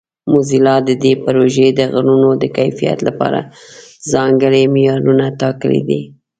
موزیلا د دې پروژې د غږونو د کیفیت لپاره ځانګړي معیارونه ټاکلي دي.